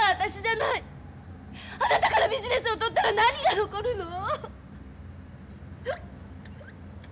あなたからビジネスを取ったら何が残るの？